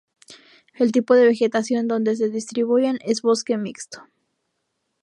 El tipo de vegetación donde se distribuyen es bosque mixto.